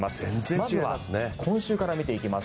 まずは今週から見ていきます。